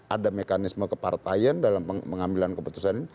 ada mekanisme kepartaian dalam pengambilan keputusan ini